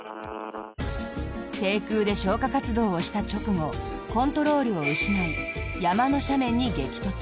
低空で消火活動をした直後コントロールを失い山の斜面に激突。